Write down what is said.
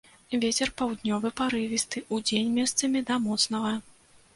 Вецер паўднёвы парывісты, удзень месцамі да моцнага.